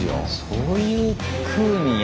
そういうふうにやる。